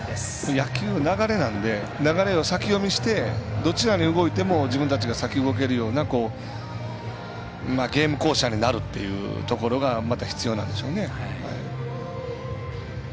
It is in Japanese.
野球は流れなんで流れを先読みしてどちらに動いても自分たちが先に動けるようなゲーム巧者になるっていうところまた必要なんでしょうね。